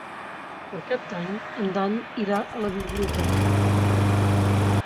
Per Cap d'Any en Dan irà a la biblioteca.